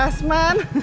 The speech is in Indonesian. eh mas kasman